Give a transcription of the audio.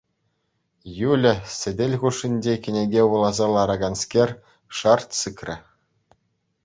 Юля, сӗтел хушшинче кӗнеке вуласа лараканскер, шарт! сикрӗ.